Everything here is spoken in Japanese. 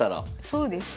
そうです。